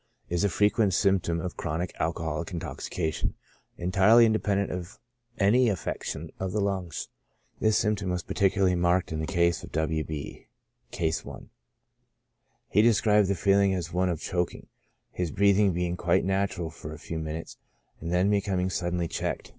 Is a frequent symp tom of chronic alcoholic Intoxication, entirely Independent of any affection of the lungs. This symptom was particu larly marked In the case of W. B — ,(Case i.) He described the feeling as one of choking, his breathing being quite natural for a few minutes, and then becoming suddenly checked.